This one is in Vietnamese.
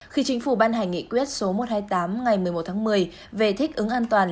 khi chính phủ ban hành nghị quyết số một trăm hai mươi tám ngày một mươi một tháng một mươi về thích ứng an toàn